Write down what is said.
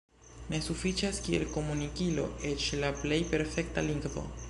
Ne sufiĉas kiel komunikilo eĉ la plej perfekta lingvo.